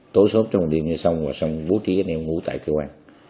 tối xốt trong một đêm cho nó xong và xong bố trí anh em ngủ tại cái quán